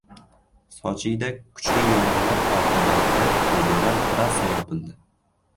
Sochida kuchli yomg‘ir oqibatida federal trassa yopildi